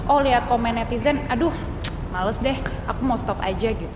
oh lihat komen netizen aduh males deh aku mau stop aja gitu